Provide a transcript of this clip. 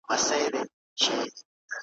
ملنګه ! يو تسنيم په سخن فهمو پسې مړ شو `